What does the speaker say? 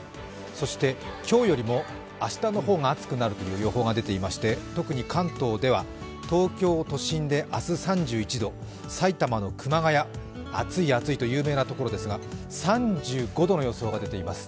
そして今日よりも明日の方が暑くなるという予報が出ていまして特に関東では、東京都心で明日３１度、埼玉の熊谷、暑い暑いと有名なところですが、３５度の予想が出ています。